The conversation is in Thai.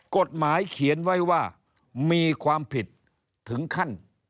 กฎหมายเขียนไว้ว่ามีความผิดถึงขั้น